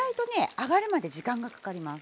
揚がるまで時間がかかります。